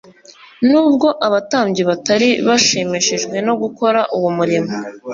Nubwo abatambyi batari bashimishijwe no gukora uwo murimo,